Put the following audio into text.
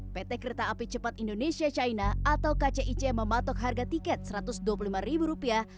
pt kereta api cepat indonesia china atau kcic mematok harga tiket satu ratus dua puluh lima ribu rupiah